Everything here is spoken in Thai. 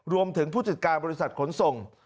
รวมถึงผู้จิตการบริษัทขนส่ง